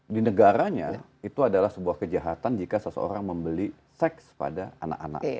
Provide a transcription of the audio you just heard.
di negaranya itu adalah sebuah kejahatan jika seseorang membeli seks pada anak anak